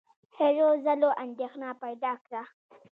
هلو ځلو اندېښنه پیدا کړه.